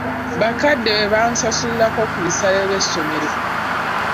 Bakadde be bansasulirako ku bisale by'essomero.